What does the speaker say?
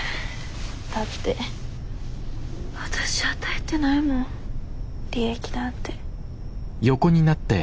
だってわたし与えてないもん利益なんて。